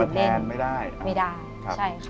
เอาใครมาแทนไม่ได้ไม่ได้ใช่ค่ะ